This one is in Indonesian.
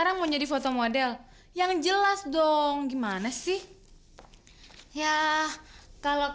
sampai jumpa di video selanjutnya